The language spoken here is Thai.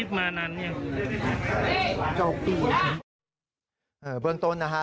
เบื้องต้นนะครับ